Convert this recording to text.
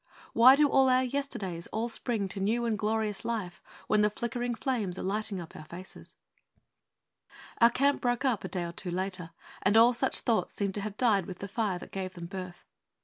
Why do our yesterdays all spring to new and glorious life when the flickering flames are lighting up our faces? Our camp broke up a day or two later; and all such thoughts seemed to have died with the fire that gave them birth.